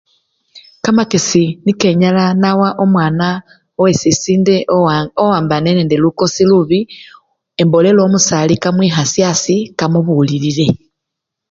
Kamakesi niko enyala nawa omwana wesisinde owa! owambane nende lukosi lubi, embolela omusali kamwikhasye asii kamubulilile.